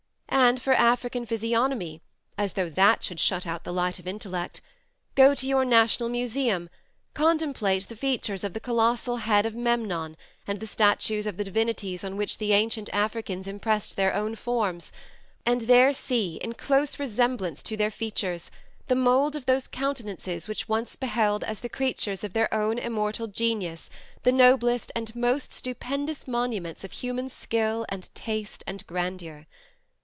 And for African physiognomy, as though that should shut out the light of intellect, go to your national museum, contemplate the features of the colossal head of Memnon, and the statues of the divinities on which the ancient Africans impressed their own forms, and there see, in close resemblance to their features, the mould of those countenances which once beheld as the creatures of their own immortal genius the noblest and most stupendous monuments of human skill, and taste, and grandeur.